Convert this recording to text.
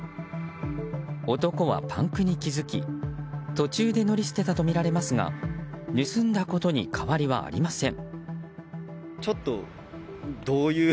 男はパンクに気づき途中で乗り捨てたとみられますが盗んだことに変わりはありません。